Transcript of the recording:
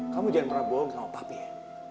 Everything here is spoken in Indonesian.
kamu jangan pernah bohong sama papi ya